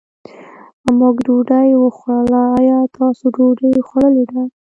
مونږ ډوډۍ وخوړله، ايا تاسو ډوډۍ خوړلې ده؟